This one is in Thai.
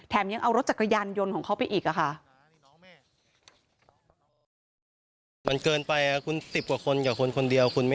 ยังเอารถจักรยานยนต์ของเขาไปอีกค่ะ